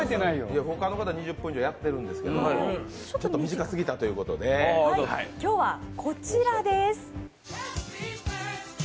他の方は２０分以上やってるんですけれども、ちょっと短すぎたということで今日はこちらです。